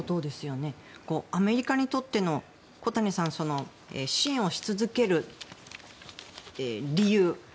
アメリカにとっての小谷さん支援をし続ける理由